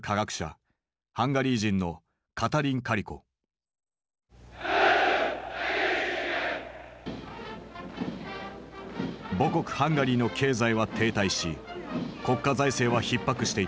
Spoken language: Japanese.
ハンガリー人の母国ハンガリーの経済は停滞し国家財政はひっ迫していた。